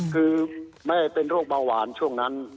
คือแม่เป็นโรคเบาหวานช่วงนั้น